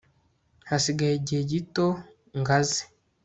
hasigaye igihe gito ngaze